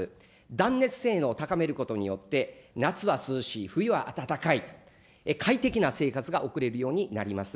断熱性能を高めることによって、夏は涼しい、冬は暖かい、快適な生活が送れるようになります。